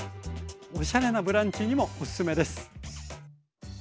おしゃれなブランチにもおすすめです。